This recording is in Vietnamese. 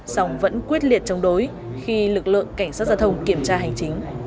song vẫn quyết liệt chống đối khi lực lượng cảnh sát giao thông kiểm tra hành chính